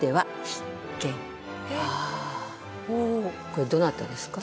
これどなたですか？